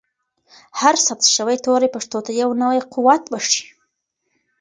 هر ثبت شوی توری پښتو ته یو نوی قوت بښي.